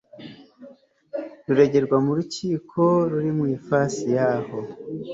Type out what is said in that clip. ruregerwa mu rukiko ruri mu ifasi y aho